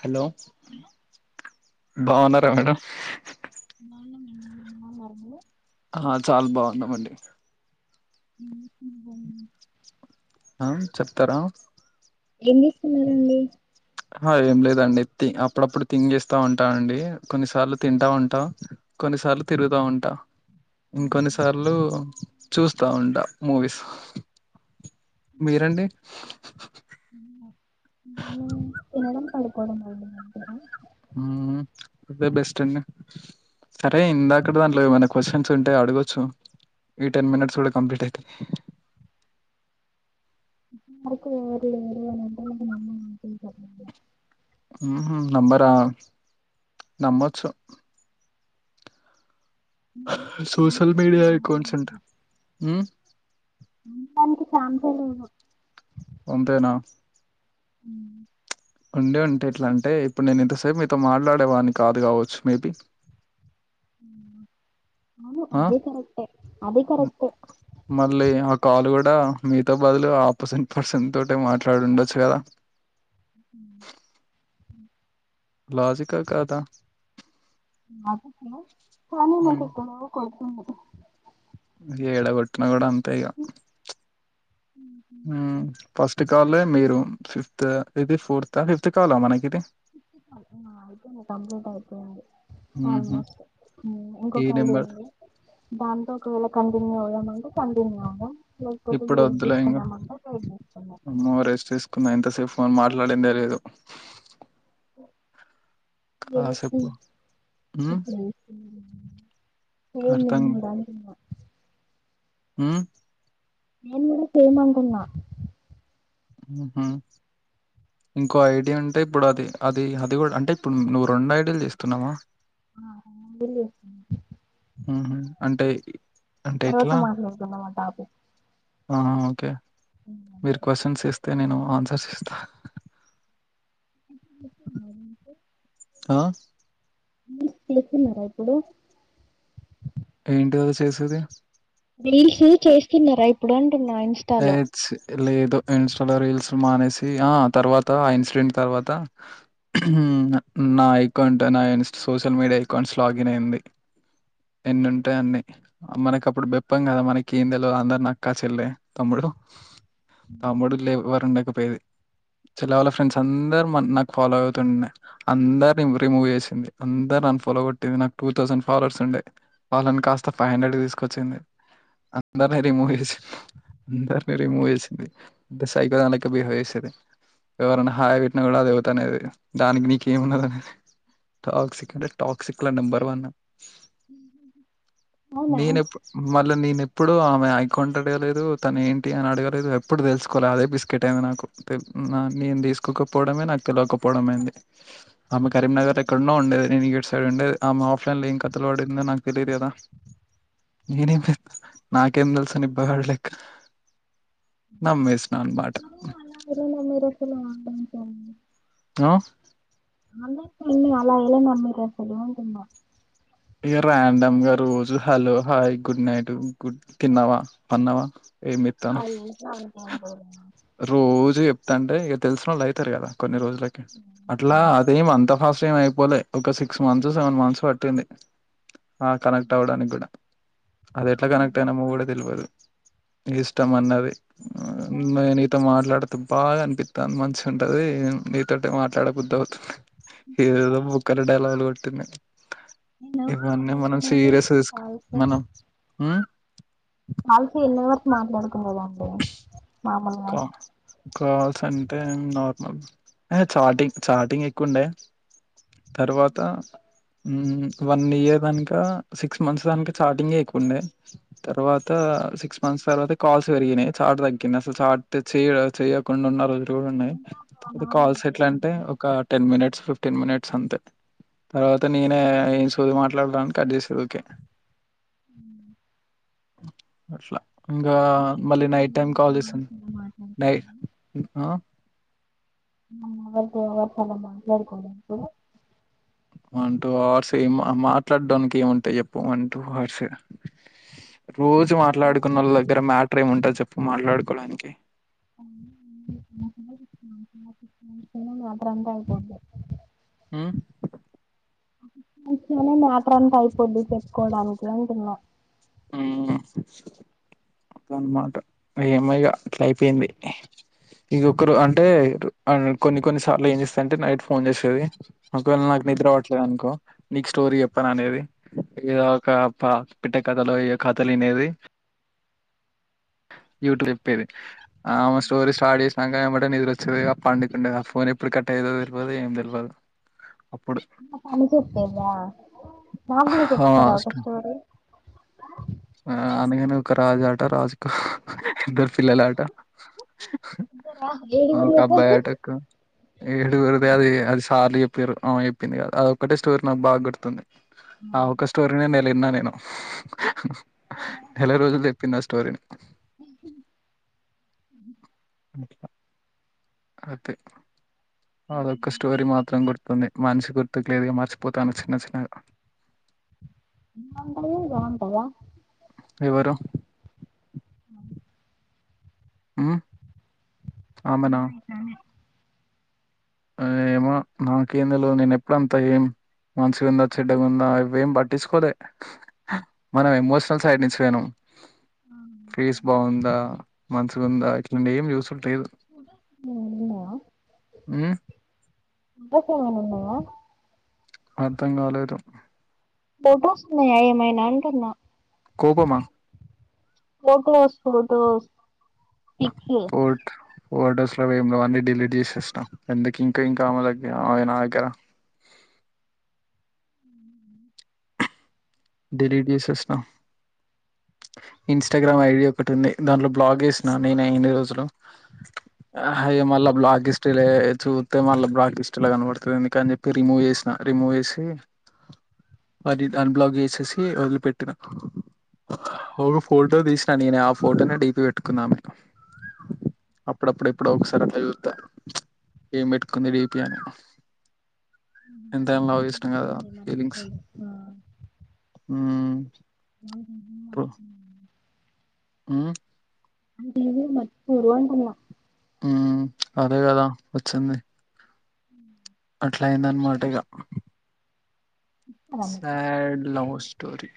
Hello బాగున్నారా madam బాగున్నాం అండి మీ బాగున్నారా మీరు ఆ చాలా బాగున్నామండి ఏం చేస్తున్నారు? ఆ చెప్తారా ఏం తీసుకున్నారండి హా ఏం లేదండి అప్పుడప్పుడు తింగ్ చేస్తా ఉంటా అండి కొన్నిసార్లు తింటా ఉంటా. కొన్నిసార్లు తిరుగుతా ఉంటా. ఇంకొన్ని సార్లు చూస్తా ఉంటా మూవీస్ మీరండి నే తినడం పడుకోడం అండి అంతే హ్మ్ అదే బెస్ట్ అండి సరే ఇందాకడ దాంట్లో ఏవన్న క్వశ్చన్స్ ఉంటే అడగొచ్చు ఈ టెన్ మినిట్స్ లో కంప్లీట్ అయితయ్ మాకు [unintelligible] మ్మ్ హ్మ్ నమ్మరా నమ్మొచ్చు స దానికి ఛాన్సే సోషల్ లేదు మీడియా అకౌంట్స్ అంట మ్మ్ నీకి చాన్సలేదు వం తేనా మ్మ్ ఉండే ఉంటే ఎట్లా అంటే ఇప్పుడు నేను ఇంతసేపు మీతో మాట్లాడేవాన్ని కాదు గావచ్చు మేబి, అవును ఆ అదే కరెక్టే అది మ్ కరెక్టే మళ్ళీ ఆ కాలు గూ దా మీతో బదులు ఆపొషిన్ పర్సన్ తోటే మాట్లాడి ఉండొచ్చు కదా మ్మ్ హ్మ్ లాజిక కాదా మాపేసె కానీ నాకు ఉమ్ ఎక్కడో కొడుతుంది ఏడగొట్న కూడా అం తేగా అయిపోయింది మ్మ్ ఫస్ట్ కాలే మీరు ఫిఫ్త్ ఇది ఫోర్త్ ఆ ఫిఫ్త్ కాలా మనకి ఇది అయితే నా ఐపోయింది కంప్లీట్ అయిపోయింది ఉహు ఆల్మోస్ట్ మ్మ్ ఈ ఇంకొక ఐడియా నెంబర్ ఉంది దాంతో కోళ్ల కంపెనీ పోదాం అంటే [unintelligible] న్నాము ఇప్పుడు వద్దులే ఇంగా అమ్మో రెస్ట్ తీసుకున్న ఇంతసేపు ఫోన్ మ ట్లాడిందేలేదు గేనిసి ఉమ్ [inaudible] ఏమ్ [inaudible] దంటున్న మ్మ్ నేను కూడా చేమంటున్న మ్మ్ హు ఇంకో ఐడి ఉంటే ఇప్పుడు అది అది అది కూడా అంటే ఇప్పుడు నువ్వు రెండు ఐడిలు చేస్తున్నావా ఆ [inaudible] హుహు. అంటే అంటే తర్వాత మాట్లాడుకుందాం ఆ టాపిక్ ఆ ఓకే మీరు క్వొషన్స్ ఎస్త్ తే నేను ఆన్సర్స్ ఇస్తా ఆ రీల్స్ తీస్తున్నారా ఇప్పుడు ఏంటిదది చేసేది రీల్స్ చేస్తున్నారా ఇప్పుడు అం చున్న ఏ ఇన్స్టాలో ఛీ! లేదు ఇన్స్టాలో రీల్స్ మానేసి ఆ తర్వాత ఆ ఇన్సిడెంట్ తర్వాత నా ఎకౌంట్ నా ఇన్స్ సోషల్ మీడియా అకౌంట్స్ లాగిన్ అయింది. ఎన్ని ఉంటాయి అన్నీ మనకి అప్పుడు బెప్పం కదా మనకి ఏం తెలవదు అందరిని అక్కా చెల్లే తమ్ముడు తమ్ముడిట్లా ఎవ్వరుండక పోయేది చెల్ల వాళ్ళ ఫ్రెండ్స్ అందరు నాకు ఫాలో అవుతుండే అందరు రిమూవ్ చేసింది అందరు నన్ ఫాలో కొట్టేది నాకు టూ థౌసండ్ ఫాలోవర్స్ ఉండే వాళ్ళని కాస్త ఫైవ్ హండ్రెడ్ తీసుకొచ్చింది అందరిని రిమూవ్ చేసింది అందని రిమూవ్ చేసింది అంత సైకో దాని లెక్క బిహేవ్ చేసేది ఎవరు అన్న హాయ్ పెట్టిన కూడా అది యవత్తనేది దానికి నీకేమున్నదిరనేది టాక్సిక్ అంటే టాక్సిక్ లా నెంబర్ వన్ అవునా నేనేప్పు మళ్ళ నేను ఎప్పుడు ఆమె అకౌంట్ అడగలేదు తను ఏంటి అని అడగలే ఎప్పుడు తెలుసుకోలే అదే బిస్కెట్ అయ్యింది నాకు తెప్ నేను తీసుకోకపోవడమే నాకు తెలియకపోవడంమైంది ఆమె కరీంనగర్ ఎక్కన్నో ఉండేది నేను గిటు సైడ్ ఉండేది ఆమె ల్ల ఏం కథలు పడిందో నాకు తెలియదు కదా, నేనేం చేస్ నాకేం తెలుసు నిబ్బగడిలే అనమాట అ అలా ఎలా నమ్మారు అసలు [inaudible] ఆ అందాన్ని అలా ఏలా నమ్మావ్ అసలు అంటున్న ఇగ రాండమ్ గా రోజు hello hi good night good తిన్నావా పన్నావా ఏం ఆ చేత్తనావ్ ఏజ్ లో అంతే అనుకోవాలి రోజ్ చెప్తాంటే ఇగ తెసినోళ్ళు అయితరు కదా కొన్ని రోజులు అట్లా అవును అదేం అంత ఫాస్ సేమ్ అయిపోలే ఒక సిక్స్ మంత్స్ సెవెన్ మంత్స్ పట్టింది ఆ కనెక్ట్ అవడానికి కూడా అది ఎట్లా కనెక్ట్ అయినామో కూడా తెలవదు ఇష్టం అన్నది నేను నీతో మాట్లాడితే బాగా అని పిత్తాంది మంచి ఉంటది నీతోటే మాట్లాడ బుద్దవుతుంది ఏదేదో బోక్కల డైలాగులు కొట్టింది ఎవరితో ఇవన్నీ మనం మాట్లాడుతున్నది సీరియస్గా తీసుక్ కాల్స్ మనం ఉమ్ మాట్లాడుకోనేది అండి కా కాల్స్ అంటే నార్ ఎ చాటింగ్ చాటింగ్ ఎక్కువుండే తర్వాత మ్మ్ వన్ ఇయర్ దాంక సిక్స్ మంత్స్ దాంక చాటింగే కుండే, తర్వాత సిక్స్ మంత్స్ తర్వాత కాల్స్ వెరిగినయ్ చాట్ తగ్గిందస్ చాట్టు చేయ చేయకుండ ఉన్నరోజ్ లువున్నాయ్ ఇంకా ఒక వన్ తవాత అవర్ కాల్స్ ఎట్లా అంటే మాట్లాడుకున్నారా ఒక టెన్ మినిట్స్ ఫిఫ్ టెన్ మినిట్స్ అంతే తర్వాత నేనే ఏం సోది మాట్లాడుదామని కట్ జేసి ఓకే ఉమ్. అట్లా ఇంగా అంటే మళ్ళీ ఎప్పుడు one night time hour two call జేసి అవర్స్ అలా నై ఆ మా [unintelligible] మాట్లాడుకోదంటే వన్ టూ అవర్స్ ఏం మ మాట్లాడ్డానికి ఏముంటాయ్ జెప్పు వన్ టూ ఆర్సే రోజు మాట్లాడుకున్న వాళ్ళ దగ్గర మ్యాటర్ ఏముంటది చెప్ మాట్లాడుకోడానికి [unintelligible] అంతరంగైపోద్ది మ్మ్ నినేమన్న ఇప్పడంత అయిపోద్ది చెప్పుకోవడాన్ ట్లంటున్న మ్మ్ అద్ అన్మాట ఏమో ఇగ అట్లైపేయింది ఇదొకరు అంటే అన్ కొన్ని కొన్ని సార్లు ఏం చేస్ అంటే నైట్ ఫోన్ చేస్తది ఒకవేళ నాకు ఆ నిద్రవట్లేదు అనుకో నీకు స్టోరీ చెప్పను అనేవి ఏదో ఒక ప పిట్ట కథలో ఈ కథలు వినేవి క్యూట్ చెప్పేది ఆమె స్టోరి స్టార్ట్ చేసినక యమట నిదురోస్ చుదిగా పండుకుండేద ఫోన్ ఎప్పుడు కట్ అయితదో తెల్వదు ఏం తెల్వదు మ్మ పని చెప్తాదా నా కూడా ఆ, చెప్తారా ఒక స్ట్- స్టోరీ ఆ అనగానగా ఒక రాజు ఆట రాజుకు ఇద్దరు పిల్లల ఆట చెప్తారా ఏడి ఒక విరిగక అబ్బాయి ఆటకు ఏడుగురిదది అది అది సార్లు చె పేరు ఆమె చెప్పింది గా అదొక్కటే స్టోరి నాకు బాగా గుర్తుంది ఆ ఒక స్టోరీ నే లిన్న నేను నెల రోజులు దెప్ పిన్న స్టోరీ న అట్ల అదే అదొక స్టోరి మాత్రం గుర్తు కుంది మనిషి గుర్తుకు లేదుగా మర్చిపోతాను చిన్న చిన్నగా నిమ్మంగుళూరు బావుంటదా ఎవరు అ మ్మ్ ఆమేనా ఆ ఏమొ నాకేమ్ తెల్వదు నేనప్పుడంతా ఏం మంచిగుందా చెడ్డగాందా ఇవేం పట్టించుకోలే మనం ఎమోషనల్ సైడ్ నుంచి పోయినాం ఫేస్ బాగుందా మంచిగుందా ఇప్పుడునేం చూసుడు లేదు నువ్ ఉన్నవా ఉమ్ [unintelligible] మున్నవా అర్థం కాలేదు బొగొస్తున్నాయా ఏమైనాంటున్నా కోపమా ఫొటోస్ ఫొటోస్. ఫిక్స్ ఫొటోస్ రావు ఏమ్ రావు అన్నీ డిలీట్ చేసేస్నా ఎందుకు ఇంకో ఇంకా ఆమె దగ్గర అవి నా దగ్గర డిలీట్ చేసేస్నా ఇన్స్టాగ్రామ్ ఐడి ఒకటి ఉంది దాంట్లో బ్లాగ్ చేసినా నేనె ఇన్ని రోజులు హాయ్ మల్ళ బ్లాక్ హిస్ట్రీ లేద్ చూతే మళ్ళా బ్లాక్ లిస్ట్లా కనపడుతరని ఎందుకని చెప్పి రిమూవ్ చేసిన రిమూవ్ చేసి అది అన్ బ్లాక్ చేస్ సి వదిలిపెట్టిన ఒక ఫోటో తీసినా నేను ఆ ఫోటోనే డిపి పెట్టుకున్నా [unintelligible] అప్పుడప్పుడు ఎప్పుడొ ఒకసారి అలా చూత్తా ఏం పెట్టుకుంది డిపి అని ఎంతైనా లవ్ చేసిన గదా ఫీలింగ్స్ ఉమ్ [inaudible] మ్మ్ అంటే మర్చిపోరు అంటున్న హ్మ్మ్ అదే కదా వచ్చింది ఉ అట్లాయిందనిమాటయిగా కదా మీకు సాడ్ లవ్స్ టోరీ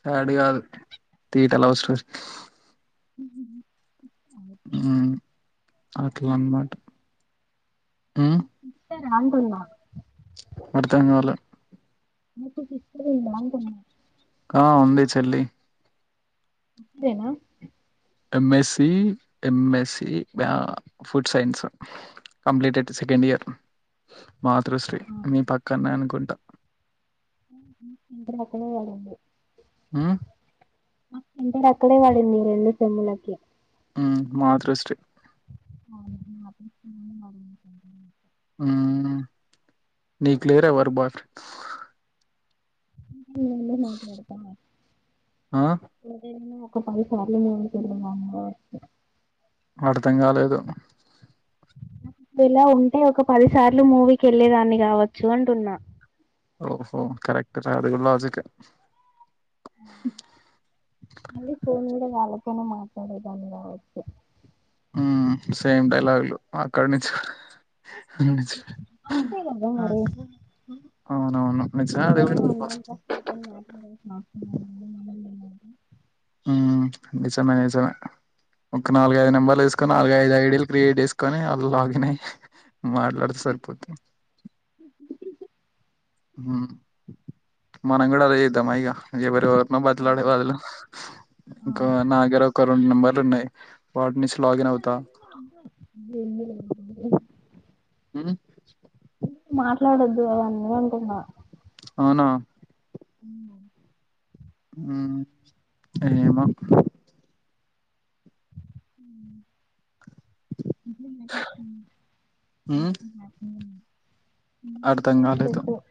సాడ్ కాదు తీట లవ్ స్టోరీ మ్మ్ మ్ హు హ్మ్. అట్లా అన్నమాట తె రా అంటున్నా అర్ధంకాలే మీకు సిస్టర్ ఉందా అంటున్నా ఆ ఉంది చెల్లి ఇప్పుడేనా ఎమ్మెసి ఎమ్మెసి అ food science completed second year మాతృ శ్రీ మీ పక్కన్నే అనుకుంటా [inaudible] అక్కడే వడింది హ్మ్. నాకు ఇంటర్ అక్కడే వడింది రెండు సెమ్ లకి ఊ మాతృశ్రీ [inaudible] ఉమ్ నీకు లేరా ఎవరూ బాయ్ ఫ్రెండ్స్ నేను ఏందో మాట్లాడతాను ఆ! ఇదేందో చెప్పండి [unintelligible] మా అమ్మ వాళ్ళు అర్థం కాలేదు ఇప్పుడు ఇలా ఉంటే ఒక పదిసార్లు మూవికి వెళ్ళేదాన్ని కావచ్చు అంటున్నా ఓహో కరెక్ట్ [unintelligible] అది కూడా లాజికే మళ్ళీ ఫోన్ కూడా కావా [unintelligible] మాట్లాడేదాన్ని కావచ్చు మ్మ్ సేమ్ డైలాగులు అక్కడ నుంచి మ్మ్ అంతే కదా మరి అవునవును నిజమే అది ఎవరో కూడా అన్నోన్ పర్సన్ తోని అవసరమేముంది మొబైల్ ఉండగా ఆ నిజమే నిజమే ఒక నాలుగైదు నెంబర్లు వేసుకొని నాలుగై ఐదు ఐడిలు క్రియేట్ చేసుకొని వాళ్ళు లాగిన్ అయ్యి మాట్లాడితే సరిపోతుంది మ్మ్ మనం కూడ అదే చేద్దామా ఇగ ఎవరినో ఆ బతిమలాడే బదులు ఇంక అవును నా గ్గర ఒకరు రెండు నంబర్లు ఉన్నాయి వాటి నుంచి లాగిన్ ఇందులో అవుతా ఎన్ని వద్దు దేన్ని వద్దు ఊ [inaudible] మాట్లాడొద్దు అవన్నీ అంటున్నా అవునా ఊ ఊ [inaudible] ఊ ఉమ్ అర్థం కాలేదు [inaudible]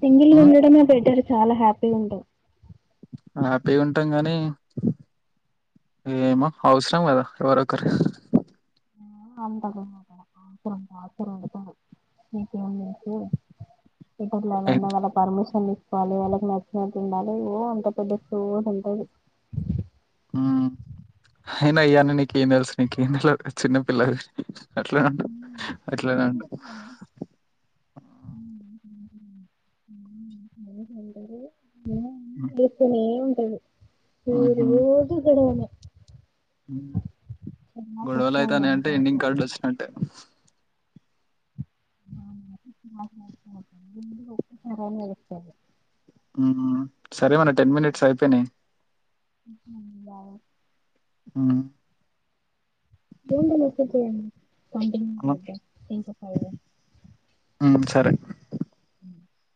సింగిల్ ఉమ్ గుండడమే బెటర్ చాలా హ్యాప్ టే ఉంటే హ్యాపీ ఉంటాం గానీ ఏమో అవసరం కదా ఎవరో ఒకరు [inaudible] మీకేం తెలుసు ఇప్పుట్ల వాళ్ళ అమ్మవాళ్ళ పర్మిషన్ నీ వాళ్ళు వాళ్ళకి నచ్చినట్టు ఉండాలి ఓ అంత పెద్ద సోది ఉంటది ఉమ్ అయినా ఇయ్యాన్నీ నీకు ఏం తెలుసు నీకు ఇంట్లో చిన్న పిల్లవి అట్లానే ఉండు అట్లనే ఉండు దిక్కని టది ఊరు ఊహూ ఊరోజీ గొడవనే ఉమ్ చాలా గొడవలు కష్టాలు అయితానాయంటే నాకే ఎండింగ్ అసలు కార్డు వచ్చినట్టే [inaudible] ఉమ్ సరే మన టెన్ మినిట్స్ అయిపోయినాయి [inaudible] బాగా హూ ఉమ్, సరే [unintelligible]